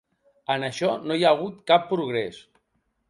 En això no hi ha hagut cap progrés.